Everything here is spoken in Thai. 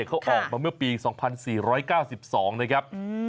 เขาออกมาเมื่อปี๒๔๙๒นะครับ